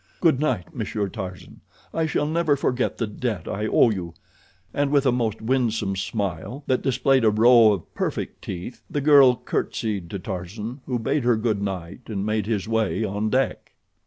Good night, Monsieur Tarzan. I shall never forget the debt I owe you," and, with a most winsome smile that displayed a row of perfect teeth, the girl curtsied to Tarzan, who bade her good night and made his way on deck.